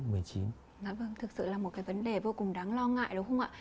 thực sự là một cái vấn đề vô cùng đáng lo ngại đúng không ạ